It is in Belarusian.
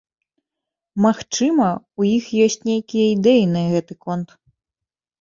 Магчыма, у іх ёсць нейкія ідэі на гэты конт.